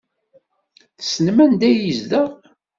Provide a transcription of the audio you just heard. Tessnem anda ay yezdeɣ?